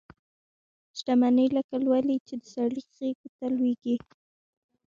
شته مني لکه لولۍ چي د سړي غیږي ته لویږي